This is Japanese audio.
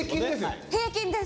平均です。